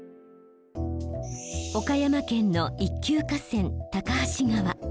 岡山県の一級河川高梁川。